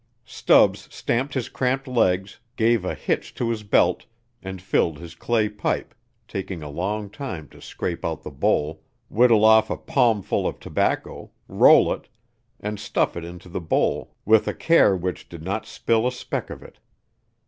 Stubbs stamped his cramped legs, gave a hitch to his belt, and filled his clay pipe, taking a long time to scrape out the bowl, whittle off a palmful of tobacco, roll it, and stuff it into the bowl with a care which did not spill a speck of it.